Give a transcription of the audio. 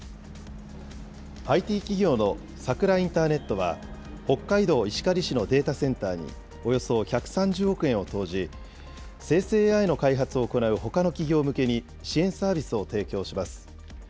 ＩＴ企業のさくらインターネットは、北海道石狩市のデータセンターにおよそ１３０億円を投じ、生成ＡＩの開発を行うほかの企業向けに支援サービスを提供します。